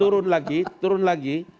turun lagi turun lagi